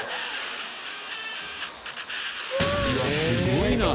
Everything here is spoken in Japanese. すごいな！